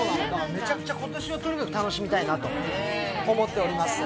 めちゃくちゃ今年はとにかく楽しみたいなと思っております。